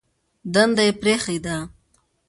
دنده یې پرېښې ده.